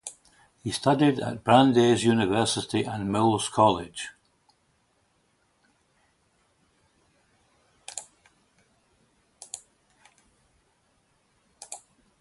He studied at Brandeis University and Mills College.